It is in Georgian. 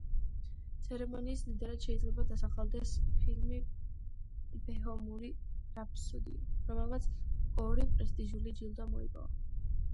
ცერემონიის ლიდერად შეიძლება დასახელდეს ფილმი „ბოჰემური რაფსოდია“, რომელმაც ორი პრესტიჟული ჯილდო მოიპოვა.